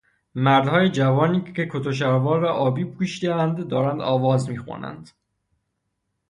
مردهای جوانی که کت شلوار آبی پوشیده اند دارند آواز می خوانند.